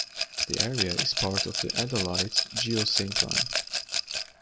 The area is part of the Adelaide Geosyncline.